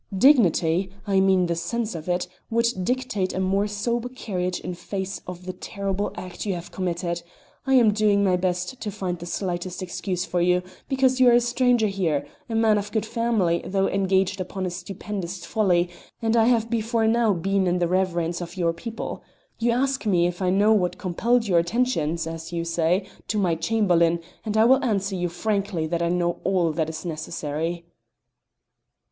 "Dignity I mean the sense of it would dictate a more sober carriage in face of the terrible act you have committed. I am doing my best to find the slightest excuse for you, because you are a stranger here, a man of good family though engaged upon a stupendous folly, and I have before now been in the reverence of your people. You ask me if I know what compelled your attention (as you say) to my Chamberlain, and I will answer you frankly that I know all that is necessary."